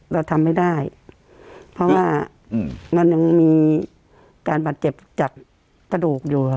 เราทำไม่ได้เพราะว่าอืมมันยังมีกาศบาทเจ็บจากกระโด๗๕